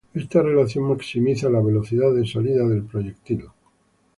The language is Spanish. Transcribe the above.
Esta relación maximiza la velocidad de salida del proyectil.